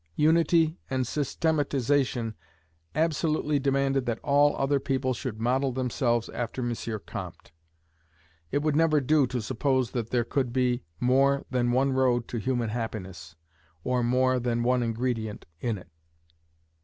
"Unity" and "systematization" absolutely demanded that all other people should model themselves after M. Comte. It would never do to suppose that there could be more than one road to human happiness, or more than one ingredient in it.